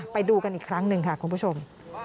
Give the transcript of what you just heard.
ไปดูกันอีกครั้งหนึ่งค่ะคุณผู้ชม